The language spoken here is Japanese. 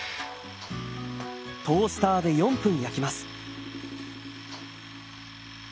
トースターで４分焼きます。